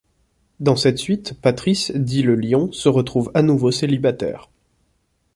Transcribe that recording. Dans cette suite, Patrice dit le lion se retrouve à nouveau célibataire.